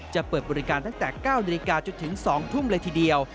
จะเปิดบริการตั้งแต่๙นาฬิกาจนถึง๒ทุ่มเลยทีเดียว